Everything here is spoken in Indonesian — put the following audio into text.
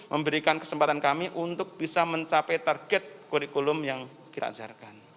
memberikan kesempatan kami untuk bisa mencapai target kurikulum yang kita ajarkan